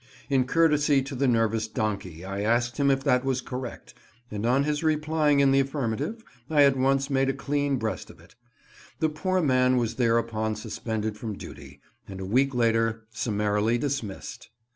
In courtesy to the nervous donkey I asked him if that was correct, and on his replying in the affirmative, I at once made a clean breast of it. The poor man was thereupon suspended from duty, and a week later summarily dismissed.